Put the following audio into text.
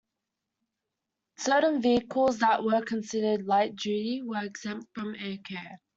Certain vehicles that were considered light-duty were exempt from AirCare.